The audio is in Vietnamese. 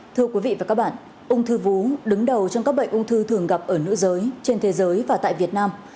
thưa quý vị và các bạn ung thư vú đứng đầu trong các bệnh ung thư thường gặp ở nữ giới trên thế giới và tại việt nam